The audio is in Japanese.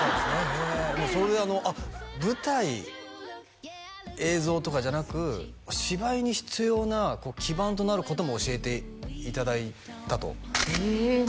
へえそれで舞台映像とかじゃなく芝居に必要な基盤となることも教えていただいたとへえ何だろう？